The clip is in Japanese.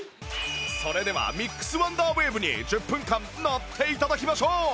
それではミックスワンダーウェーブに１０分間乗って頂きましょう！